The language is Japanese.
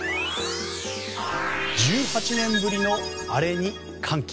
１８年ぶりのアレに歓喜。